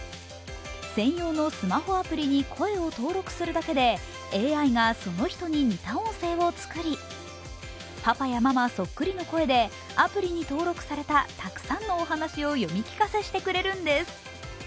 専用のスマホアプリに声を登録するだけで、ＡＩがその人に似た音声を作り、パパやママ、そっくりの声でアプリに登録されたたくさんのお話を読み聞かせしてくれるんです。